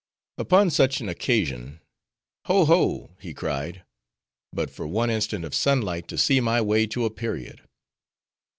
Upon such an occasion, 'Ho, Ho,' he cried; 'but for one instant of sun light to see my way to a period!